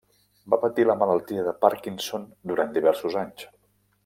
Va patir la malaltia de Parkinson durant diversos anys.